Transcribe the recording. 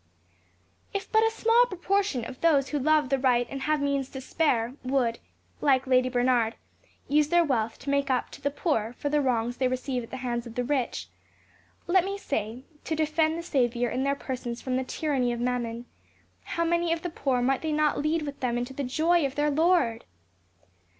If but a small proportion of those who love the right and have means to spare would, like Lady Bernard, use their wealth to make up to the poor for the wrongs they receive at the hands of the rich, let me say, to defend the Saviour in their persons from the tyranny of Mammon, how many of the poor might they not lead with them into the joy of their Lord!